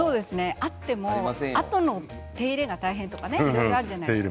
あっても、あとの手入れが大変とかあるじゃないですか。